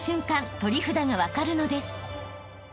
取り札が分かるのです］